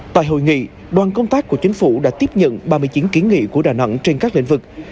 tại hội nghị đoàn công tác của chính phủ đã tiếp nhận ba mươi chín kiến nghị của đà nẵng trên các lĩnh vực